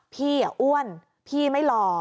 พี่อ่ะอ้วนพี่ไม่หล่อ